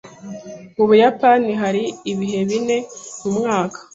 Mu Buyapani hari ibihe bine mu mwaka